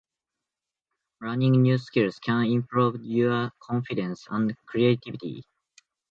Learning new skills can improve your confidence and creativity.